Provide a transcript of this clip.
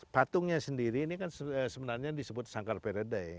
patungnya sendiri ini kan sebenarnya disebut sangkar peredai